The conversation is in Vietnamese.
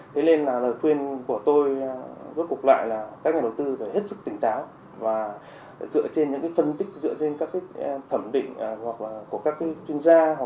thế nên là lời khuyên của tôi rốt cuộc lại là các nhà đầu tư phải hết sức tỉnh táo và dựa trên những phân tích dựa trên các thẩm định của các chuyên gia